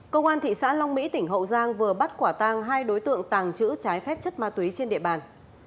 công an thị xã long mỹ tỉnh hậu giang vừa bắt quả tang hai đối tượng tàng trữ trái phép chất ma túy trên địa bàn